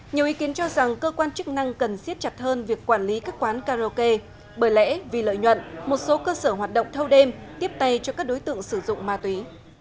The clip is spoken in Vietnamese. nhiều ý kiến cho rằng cơ quan chức năng cần siết chặt hơn việc quản lý các quán karaoke bởi lẽ vì lợi nhuận một số cơ sở hoạt động thâu đêm tiếp tay cho các đối tượng sử dụng ma túy